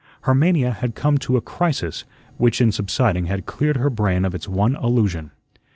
Her mania had come to a crisis, which in subsiding had cleared her brain of its one illusion.